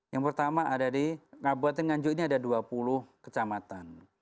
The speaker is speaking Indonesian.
yang pertama ada di kabupaten nganjuk ini ada dua puluh kecamatan